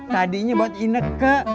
tadinya buat inek ke